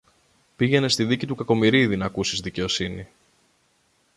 πήγαινε στη δίκη του Κακομοιρίδη, ν' ακούσεις δικαιοσύνη.